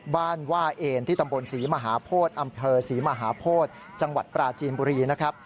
บ้านว่าเอนที่ตำบลศรีมหาโพธิอำเภอศรีมหาโพธิจังหวัดปราจีนบุรีนะครับ